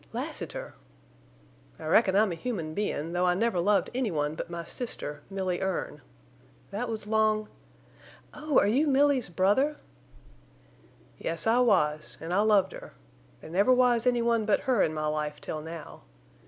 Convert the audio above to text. "Lassiter!" "I reckon I'm a human bein', though I never loved any one but my sister, Milly Erne. That was long—" "Oh, are you Milly's brother?" "Yes, I was, an' I loved her. There never was any one but her in my life till now.